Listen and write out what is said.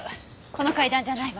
この階段じゃないわ。